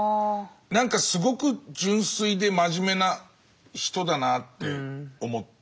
なんかすごく純粋で真面目な人だなって思って。